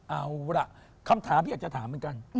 เอาล่ะคำถามที่อยากจะถามเหมือนกัน